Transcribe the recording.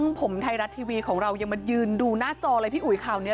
คุณการว่าเรายังมายืนดูหน้าจอเรื่องอะไรพี่อุ๋ยขาวเนี้ย